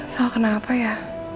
sal kenapa ya